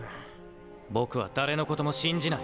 僕は誰のことも信じない。